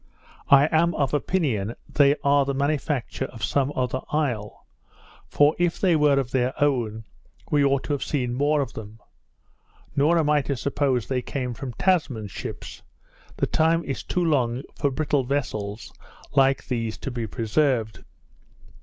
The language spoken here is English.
I am of opinion they are the manufacture of some other isle; for, if they were of their own, we ought to have seen more of them. Nor am I to suppose they came from Tasman's ships; the time is too long for brittle vessels like these to be preserved.